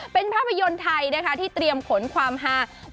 เป็นภาพยนตร์ไทยนะคะที่เตรียมขนความฮา